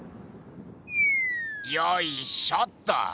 よいしょっと。